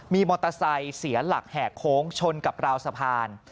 มีมอเตอร์ไซค์เสียหลักแห่โค้งชนกับราวสะพาน